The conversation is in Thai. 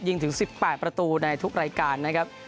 ถึง๑๘ประตูในทุกรายการนะครับ